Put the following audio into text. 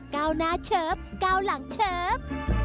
เก้าหน้าเชิบเก้าหลังเชิบ